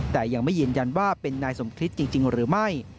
แต่ยังไม่ยืนยันว่าเป็นนายสมคริสต์จริงหรือไม่